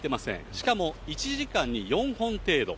しかも１時間に４本程度。